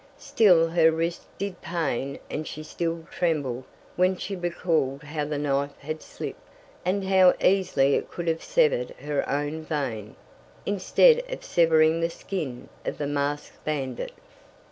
Still her wrist did pain and she still trembled when she recalled how the knife had slipped, and how easily it could have severed her own vein, instead of severing the skin of the masked bandit.